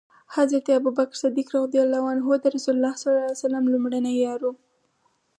حضرت ابوبکر ص د رسول الله ص لمړی یار دی